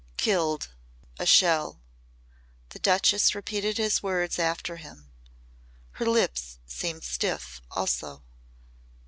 "Killed. A shell." The Duchess repeated his words after him. Her lips seemed stiff also.